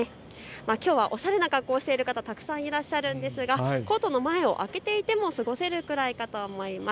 きょうはおしゃれな格好をしている方、たくさんいらっしゃるんですがコートの前を開けていても過ごせるぐらいかと思います。